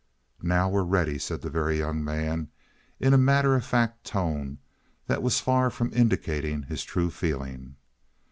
"Now we're ready," said the Very Young Man, in a matter of fact tone that was far from indicating his true feeling.